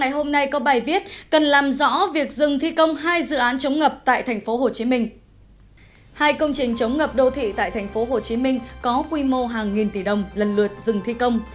hai công trình chống ngập đô thị tại tp hcm có quy mô hàng nghìn tỷ đồng lần lượt dừng thi công